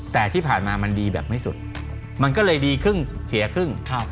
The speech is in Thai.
แต่ที่ผ่านมามันดีแบบไม่สุดมันก็เลยดีครึ่งเสียครึ่ง